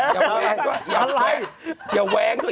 อย่าแว้งอย่าปั่น